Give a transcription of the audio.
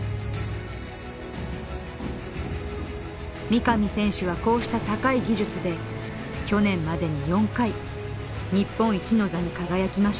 三上選手はこうした高い技術で去年までに４回日本一の座に輝きました。